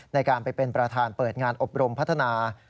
ในการไปเป็นประธานเปิดงานอบรมพัฒนา